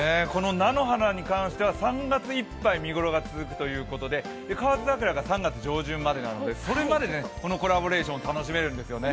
菜の花に関しては３月いっぱい見頃が続くということで河津桜が３月上旬までなのでそれまでこのコラボレーションを楽しめるんですね。